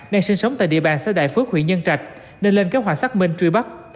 đang sinh sống tại địa bàn xã đại phước huyện nhân trạch nên lên kế hoạch xác minh truy bắt